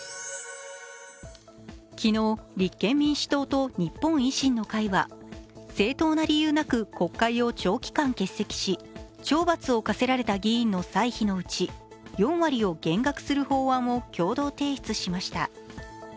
昨日、立憲民主党と日本維新の会は正当な理由なく国会を長期間欠席し、懲罰を科せられた議員の歳費のうち４割を減額する法案を共同提出しました。